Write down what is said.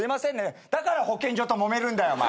だから保健所ともめるんだよ！